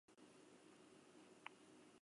Saiakerak eta satirak idatzi zituen batez ere.